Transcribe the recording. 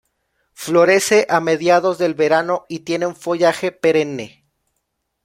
Florece a mediados del verano y tiene un follaje perenne.